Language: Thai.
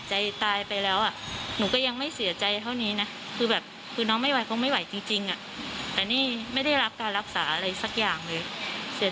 ช่วยอะไรลูกไม่ได้เลยทำไมหนูคิดเลยว่าทำไมหนูไม่ได้โวไปไปด่าพี่บอกเค้าอะไรอย่างเงี้ย